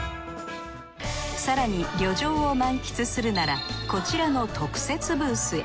更に旅情を満喫するならこちらの特設ブースへ。